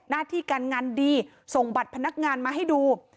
หน้าที่การงานดีส่งบัตรพนักงานมาให้ดู